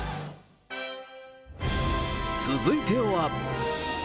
続いては。